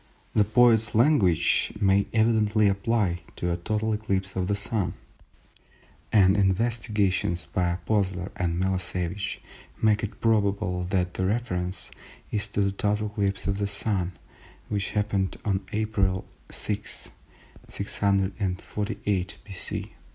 The poet's language may evidently apply to a total eclipse of the Sun; and investigations by Oppolzer and Millosevich make it probable that the reference is to the total eclipse of the Sun which happened on April 6, 648 B.C.